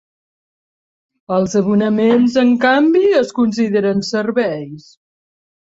Els abonaments, en canvi, es consideren serveis.